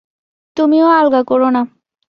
তুমিও আলগা কোরো না।